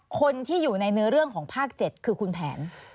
คนที่อยู่ในเนื้อเรื่องของภาค๗คือคุณแผน